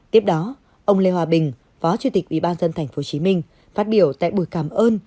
tiếp đó ông lê hòa bình phó chủ tịch ubnd tp hcm phát biểu tại buổi cảm ơn